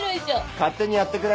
勝手にやってくれ。